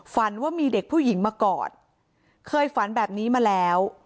ฝันว่ามีเด็กผู้หญิงมากอดเคยฝันแบบนี้มาแล้ว